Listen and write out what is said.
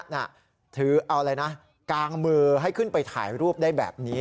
ถือเอาอะไรนะกางมือให้ขึ้นไปถ่ายรูปได้แบบนี้